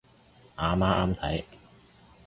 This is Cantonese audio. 阿媽啱睇